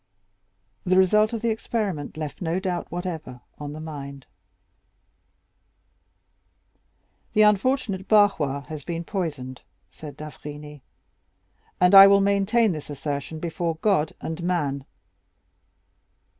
The result of the experiment left no doubt whatever on the mind. "The unfortunate Barrois has been poisoned," said d'Avrigny, "and I will maintain this assertion before God and man."